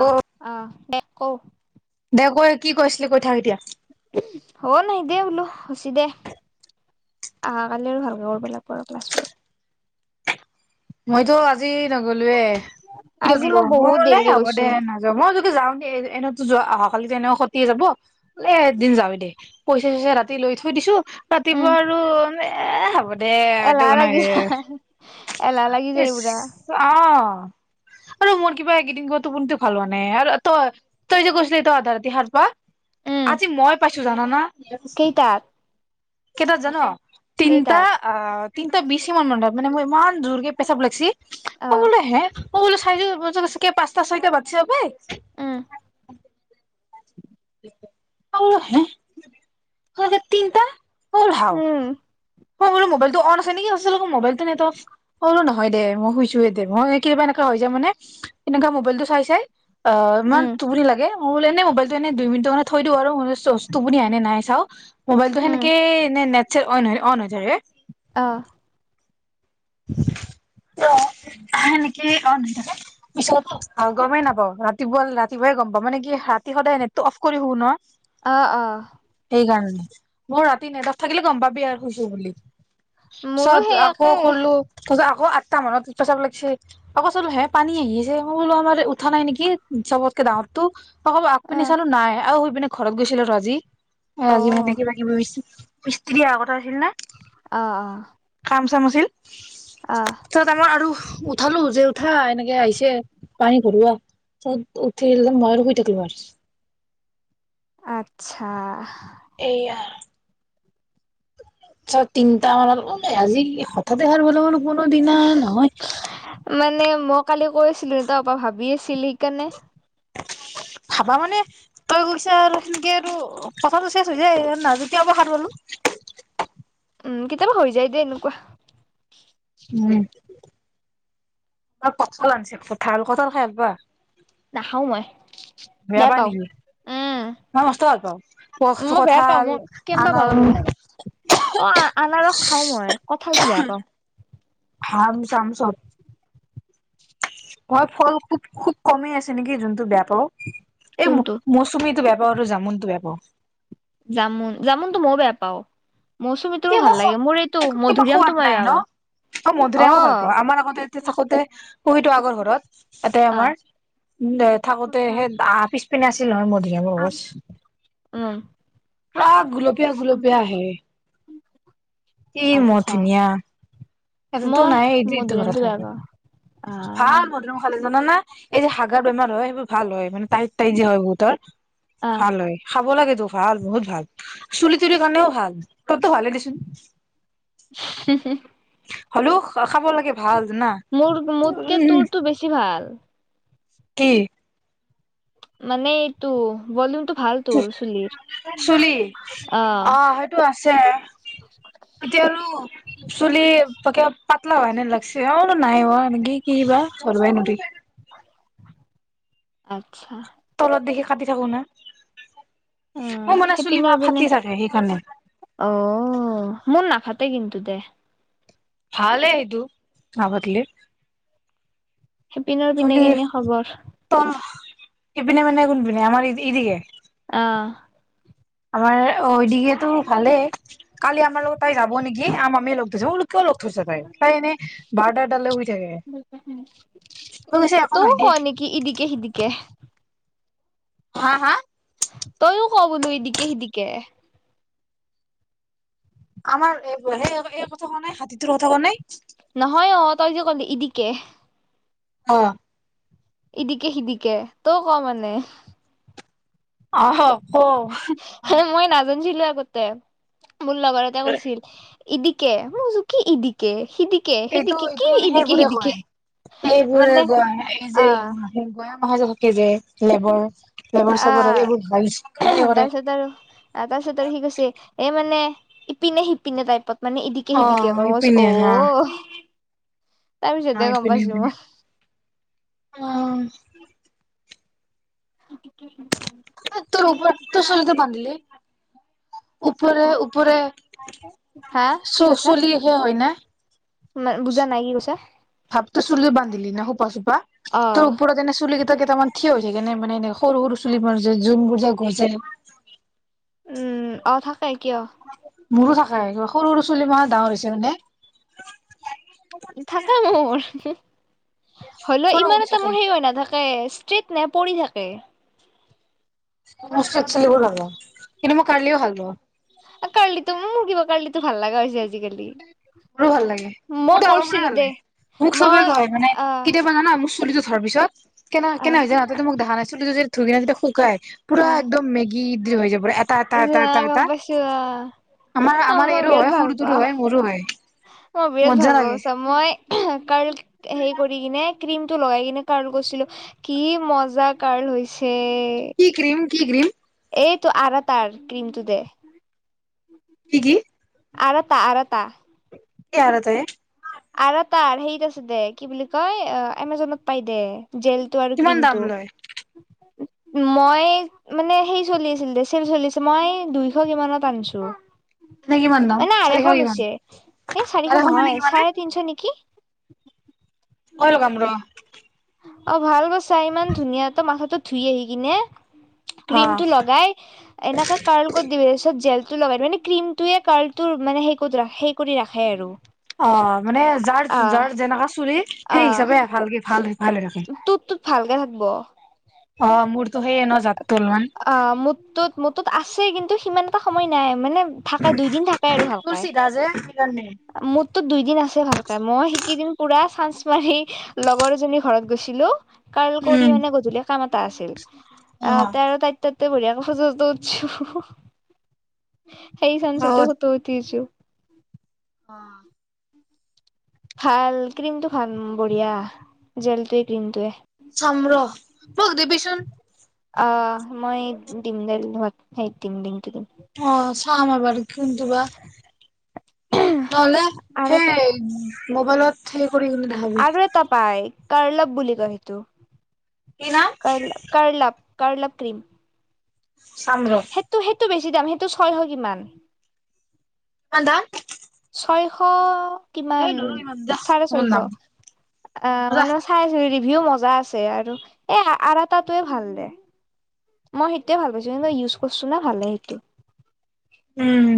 অ অঁ কোৱা এ কৈ কি কৈছিলে কৈ থাক কএতিয়া হব নাই দেই বোলো হচি দে অহাকালি আৰু ভালকে কৰিব লাগিব আৰু ক্লাছবোৰত মইতো আজি নগলো আজি থাকো মই বহুত মলে দেৰিকে হ'ব দে গৈছো নাযা মই যদি যাওঁ দে এনেওঁ যোৱা অহা কালি তেনেক খতিয়ে যাব বলে এদিন যাৱেই দে পইচা চইচা ৰাতি লৈ থৈ দিছো উম, ৰাতিপুৱাই আৰু এ হব দে এইটো এলাহ লাগি কেনেকে এলাহ লাগি যায় ইচ্ পুৰা। অঁ আৰু মোৰ কিবা এইকেইদিন টোপনিতো ভাল হোৱা নাই আৰু তই তই যে কৈছিলি তই আধা ৰাতি সাৰ পাঁও আজি মই পাছ কিছু জানা না কেইটাক কেইটাত জান তিনতা অঁ এ বেছি মন মান মই ইমান জোৰকে পেচাব লাগিছে অ', অঁ'বোল হে অঁ বোল চাইে পচটা সৈতে বাতি যাব প উম, আৰু হয় তিনিটা উম মই বোলো মবাইলত অঁন আছে নেকি তাৰ পাছত আকৌ চাই চো মই বোলো নহয় দে মই শুই চো নদে। মই একেবাৰে এনেকুৱাই হৈ যাই মানে। সেমেকা মবাইলত তো চাই চাই।। অঁ ইমান উম, টোপনি লাগে মই বোল এনে ব এনে দুই মিনিট মান থৈ দিওঁ আৰু টোপনি আহে নাহেএনে নাই চাওঁ মোবাইলটো উম, সেনেকে নে নেট চেট অ নহয় দ অন হৈ যায় ৰে অ অ হয় নেকি থ পিছত গমেই নাপাও ৰাতিপুৱা ৰাতিপুৱাই গম পাওঁ মানে কি ৰাতি সদায় এট অফ কৰি শুও ন অ অ সেইকাৰণে মই ৰাতি নেট অফ থাকিলে গম পাবি আৰু শুইছে বুলি মোৰো পিছত সেই আকৌ একে কৰলো তাছত আকৌ তা মানত পেচাব লাগিছে আকৌ চলো হে পানী আহি আছে মই বোলো আমাৰ উঠা নাই নেকি চবতকে ডাঙৰতো আকৌ এবাৰ আগ পিনে অ', চালো নাই আও শুই পিনে ঘৰত গৈছিলো ৰ আজি এ আজি মানে অ', কিবা কিবি ৰুইছো ইস্ত্ৰি অহা কথা ত আহিল নে অ', অ', কাম চামুছিল অ', তত আমাৰ আৰু উঠালো যে উঠা এনেকে আহিছে পানী ঘৰুৱা চব উঠিল মই শুই থাকিলো আৰু আচ্ছা তিনিটা মানত আজি হঠাতে সাৰি পালো বোলো কোনো দিনা নহয় মানে মই কালি কৰিছিলো ন তাৰ পৰা ভাবি আছিল সেইকাৰণে ভাবা মানে তই কৈছা আৰু তেনেকে আৰু কথাটো শেষ হৈ যায় নাজতিয়া বষাৰ পলো উম কেতিয়াবা হৈ যায় দেই এনেকোৱা উম আৰু কঁঠাল আনিছে কঠাল কঁঠাল খাই আহিবা নাখাও মই বেয়া পাই পাওঁ নেকি উম মই মস্ত ভাল পাওঁ মই বেয়া পাওঁ কঁঠাল মই কেনেুকোৱা পাওঁ কিবা আনাৰস অ আনাৰস খাও মই কঠালটো বেয়া পাওঁ হা ম চামছ হয় ফল খুব খুব কমেই আছে নেকি যোনটো বেয়া ত এই কোনটো মৌচুমীটো বেয়া পাও আৰু জামুনতটো বেয়া পাও জামঙন জামুনটো তুমিও বেয়া পাও মৌচুমীটোৰো ভাল লাগে মোৰ এইটো একো কিবা মধুৰিআমটো সোৱাদ মই নাই বেয়া ন পাওঁ অ মধুৰি আমো ভাল পা আমাৰ আগতে থাকোতে পুহিটো আগৰ ঘৰত এতে আহ আমাৰ থাকোতে কঁঠাল সেই আহ পিছ পি নাছিল হৰ্মদি আম উম পুৰা গুলপীয়া গুলপীয়া আহে কি ম আচ্ছা ধুনীয়া সটোতো মই নাই এই যে এইটো মধুৰিআমটো ঘৰত হ বেয়া পাওঁ আহ ভাল মধুম খালে জান না এই যে হাগাৰ বেমাৰ হয় সেইবোৰ ভাল হয় মানে টাইট টাইট যে হয় বহুতৰ আহ ভাল হয় খাব লাগে ভাল বহুত ভাল চুলি তুলিৰ কাৰণেও ভাল তোৰতো ভালে দেচোন হ'লেও খাব লাগে ভাল জানা মোৰ মোতকে উম তোৰটো বেছি ভাল কি মানে এইটো ভলিয়মটো চুলি অ সেইটো আছে এতিয়া আৰু চুলি তাকে পাতলাও হয়নে লাগিছে অ নাই অকি কি বা কৰবাই নি আচ্ছা তলত দেখি কাটি থাকো না উ মোৰ মানে চুলি মা সেইপিনৰ পিনে ফাটি থাকে সেইকাৰণে অ মোৰ না ফাতে কিন্তু দে ভালে সেইটো খাবলে সিপিনৰ পিনে কেনে খবৰ এইপিনে মানে কোন পিনে আমাৰ এইদিগে আহ আমাৰ অদঙেতো ভালেই কালি আমাৰ লগত তাই যাব নেকি আম আমিয় লগ যাবল কিয় লগ ধৈছা তাইক তাই এনেইও বাৰটা এটালৈকে শুই থাকে গৈছে একো তইও ক নেকি ইদিকে সিদিকে নাই হা হা তইও ক বোলো এইদিকে সিদিকে আমাৰ স এই কথা কোৱা নাই হাতীটোৰ কথা কোৱা নাই নহয় অ তই যে কলি এইদিকে অ ইদিকে সিদিকে তই ক মানে আহ কও মই নাজ গৈ চিলো আগতেে মোৰ লগত এটাই কৈছিল এনিকে মই বোলো কি এনিকে এইটো এইটো মানে সেইবোৰে কয় এইবোৰে মানে কোৱা এই অ যে পাই যাব কেজে লেবৰ লেবৰ চেবৰ এইবোৰ ভাগি আহ কৰে তাৰপিছত আৰু তাৰপিছত আৰু কি কৈছে এই মানে ইপিনে সিপিনে টাইপত মানে এদিকে অ সিদিকে কচ ইপিনে অ হা তাৰ হা পিছতহে গম ইপিনে পাইছো ইপিনে মই অ', কি? তোৰ উপৰত, তোৰ চুলিটো বান্ধিলি। উপৰে-উপৰে। হা চু-চুলিহে হয় না। ম বুজা নাই কি কৈছা? হাপ্ত চুলি বান্ধিলি ন হুপা-চুপা। তোৰ অ ওপৰ দিনে চুুলি কেইটামান থিয় হৈ থাকে নে মানে এনে সৰু-সৰু চুলিবোৰ যে যোনবোৰ যে গজে। উম' অ' থাক থাকে অ', মোৰো থাকে সৰু-সৰু ছুলি মাহ ডাঙৰ হৈছে নে নাই। থাকে মোৰ। হল পুৰা ইমান উৰি এটা থাকে মোৰ সেই হয় নাথাকে। ষ্ট্ৰিট নে পৰি থাকে। মই স্তেড চুলিবোৰ পাও কিন্তু মই কঢিলিও ভাল পাও। কাৰ্লিতো মোৰ কাৰ্লিতো ভাল লাগা হৈছে আজিকালি। মোৰো ভাল লাগে মই মোৰতো আগৰ পৰা কৰিছিলো ভাল দে লাগে মোক চবে মই কয় মানে আহ কেতিয়াবা জানা মোৰ চুলিটো ছৰ পিছত। কেনে-কেনে আহ হৈছে যায় তাহাতে টো মোক দেখা চুলিটো যদি ধুইনিয়া কে শুকায়। পুৰা আহ একদম মেগি দি হৈ যাব। গম এটা-এটা-এটা-এটা-এটা, পাইছো আমাৰ-আমাৰ মই এইৰো বিৰাট হয় ভাল সৰুটোৰো পাওঁ হয় মোৰো হয়। অ' বিৰাট মজা ভাল পাওঁ লাগে চা মই কাল হেৰি কৰি কিনে। ক্ৰিম টো লগাই কিনে কাৰল গৈছিলো কি মজা কাৰল হৈছে। কি ক্ৰীম কি ক্ৰীম এইটো আৰাটাৰ ক্ৰীমটো যে। কি-কি? আৰাটা-আৰাটা। কি আৰতাৰ এই আৰাতাৰ হেৰিত আছে দে কি বুলি কয় এমাজনত পাই দে। জেলটো আৰু কিমান দাম ক্ৰীমটো। লয় মই মানে সেই চলি আছিল দে চেল চলি আছিল মই দুইশ কিমানত আনিছো। মানে কিমান দাম মানে আঢ়ৈশ চাৰিশ লৈছে কি? আঢ়ৈশ মানে কিমান এ? নে কি? অল কাপোৰৰ। অহ', ভাল বস্তু চাই ইমান ধুনীয়া তটো মাথাটো। ধুই আহি কিনে। ক্ৰীম অ টো লগাই এনেকাে কাৰ্ল কৰিত দিব। তাৰপিছত জেলতটো লগাই দি মানে ক্ৰ্ৰীমটোয়ে কটো মানে সেই- সেই কৰি ৰাখে আৰু অহ', মানে যাৰ- আহ যাৰ যেনেকা চুলি সেই হিচাপেহে ভালকে ভাল। ভাল হৈ থাকে টোৰটোত ভালকে থাকিব। ত', সেইয়ে ন যাত তো অলমান মূৰটোত আছে কিন্তু সিমান এটা সময় নাই মানে। থাকে দুইিন থাকে আৰু ভাল তোৰ চিধা যে সেইকাৰণে মোৰটোত দুইিন আছে ভালক মই সেই কেই দিন পোৰা চাঞ্চ তোমাৰ সেই লগৰ এজনী ঘৰত গৈছিলো। কাৰ্ল কৰি উম মানে গধূলি কামত। এটা আছিল। অহ', অ তেৰ তাই ত বঢ়িয় মই ফটো চটো উঠচো। সেই চেন্সতে ফটো উঠি আহিছোঁ। উ [inaudible] অহ', ভাল ক্ৰীমটো ভাল বঢ়িয়া জেলটয়ে ক্ৰ্ৰীমটয়ে। চম ৰস মোক দিবিচোন। অহ', মই দিম দাৰত [unintelligible] সেই দিম দিনটো দিম অহ ', চাম আৰু একবাৰ। কিন্ত বা নহলে আৰু এটা সেই মোবাইলত। থে কৰি কিন্তু দেখাবি। কাৰ্লব বুলি কৈ হেতো। কি নাম curl up -curl up cream. চাম ৰ সেইটো -সেইটো বেচি। বি দাম সেইটো ছয়শ কিমান। কিমান দাম? ছয়শ। কিমান যা চাৰে মোৰ ছয়শ নাম আহ', যা মানে চাৰে ধৰি দি। ভিও মজা আছে আৰু এহ', আৰাতাটোৱে ভাল দে। মই সেইটোৱে ভাল পাইছোঁ কিন্তু ইউজ কৰছোঁ না ভালে সেইটো। উম।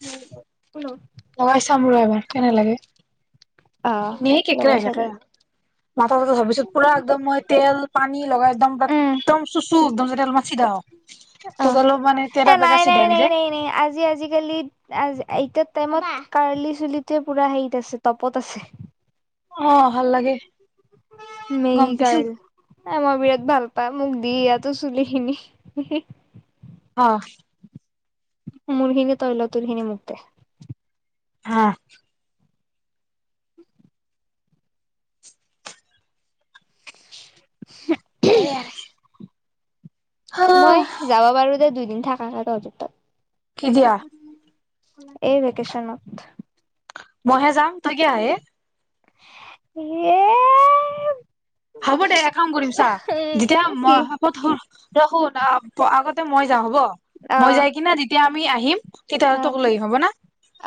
উম ঠ লগাই চাম ৰ এবাৰ। কেনে লাগে? অ এনে [unintelligible] লগাই একেটাই চাবি কথা। মাথা‌ [unintelligible] পিছত পুৰা একদম মই তেল পানী লগাই একদম, উম একদম চুচু একদম তেল মাৰছি দ'। অ এ নাই নাই হৈ নাই যায় নাই নাই আজি আজিকালি এইটোত টাইমত কাৰ্লি চুলিটোৱে পুৰা হেৰিত আছে তপত আছে। অ ভাল লাগে। মেগী গম পাইছো কাৰল মই বিৰাট ভাল পাই মোক দি ইয়াতো চুলিখিনি। অ'। মোৰখিনি তই ল, তোৰ খিনি মুক দে। হা এই [unintelligible] মই যাব পাৰো দে দু থাকা কাগজ [unintelligible] কি দিয়া উম। এই ভেকেচন। মইহে যাম তই কিয় আহে। এ! হ'ব দে এক কাম কৰিম চা, যেতিয়া উম কি মই, হ'ব থ তই শুই, আগত মই হ'ব, অ মই যাই কিনা যেতিয়া আমি আহিম। তেতিয়াহ'লে অ তোক লৈ হব না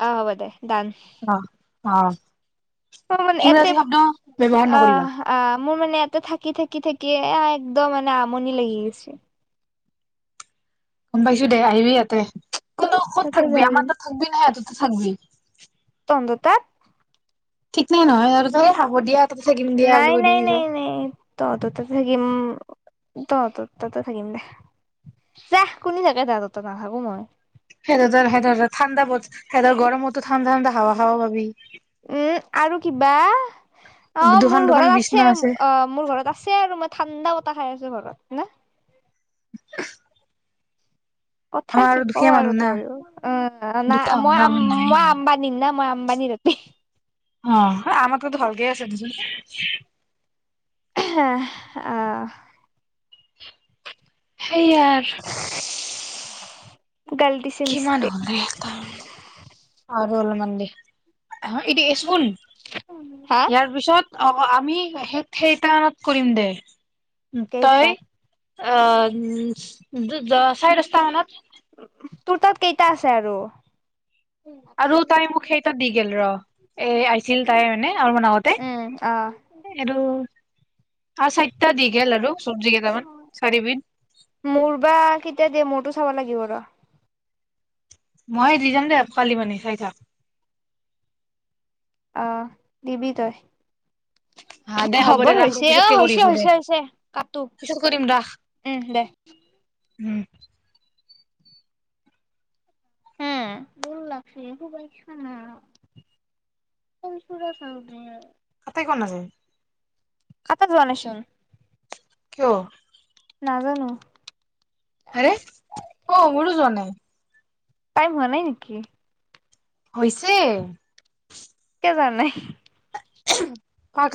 অ হ'ব দে ডান অ অ [unintelligible] এতে, ইংৰাজী শব্দ ব্যৱহাৰ অ। নকৰিবা অ। মোৰ মানে এটা থাকি থাকি থাকি একদম মানে আমনি লাগি গৈছে। গম পাইছো দে আহিবি ইয়াত। কিন্তু ক'ত তাতে থাকবি, যাই আমাৰ কিনে তাত থাকবি নে‌ ইয়াত? থাকবি। সিহঁতৰ তাত? ঠিকনো নহয় আৰু, তই হ'ব দিয়া তাতে থাকিম দিয়া নাই বুলি কৈ নাই দিবি নাই পিছত নাই, তহঁতৰ তাত থাকিম। তহতৰ তাতে থাকিম দে, যাহ, কুনি থাকে তহতৰ তাতে, নাথাকো মই। সিহঁতৰ তাৰ সিহঁতৰ তাত ঠাণ্ডা মত, সিহঁতৰ গৰমতো ঠাণ্ডা ঠাণ্ডা হাৱা খাৱা পাবি। উম আৰু কিবা অ দুখন মোৰ দুখন ঘৰত বিচনা আছে অ মোৰ ঘৰত আছে আৰু মই ঠাণ্ডা খাই আছো ঘৰত হ [inaudible] কথা আমাৰ শিকও দুখীয়া মানুহ আৰু না তইয় অ দুখীয়া নাই মানুহ মই না আম আমাৰ নাই মই ইমান আম্বানম না মই বনিৰতে অ আমাৰকতো ভালকে আছে দেচোন আহ আহ হেইয়াই গলদিছে মিছতেক হ'ল দে আৰু অলপমান দে এইটো এচোন হা ইয়াৰ পিছত অ আমি সেইটানত কৰিম দে কেইটা তই অ উ দ চাৰে দস্তা মানত তোৰ তাত কেইটা আছে আৰু আৰু তাই মোক সেই তাত দি গল ৰ এ আহিছিল তাই মানে আৰু ম উম অ আগতে আৰু চাৰিটা দি গেল আৰু চব্জি কেইটামান চাৰিবিধ মোৰ বা কেতিয়া দিয় মোৰটো চাব লাগিব [unintelligible] মইে দি যাম দে কোৱালি মানে চাই থাক আহ দিবি তই হা দে হ'ব দে খবৰ ৰাখ হৈছে অ পিছতকে হৈছে কৰিছো দে হৈছে হৈছে কটো পিছত কৰিম ৰাখ উম দে উম হ ভুল লাগছে এই খুবছানা চ চ ক ন আছে কথা ধোৱাচোন কিয় নাজানো আৰে অ মোৰো যোৱা নাই টাইম হোৱা নাই নেকি হৈছে জ নে পাক